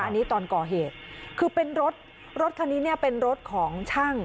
อันนี้ตอนก่อเหตุคือเป็นรถรถคันนี้เนี่ยเป็นรถของช่าง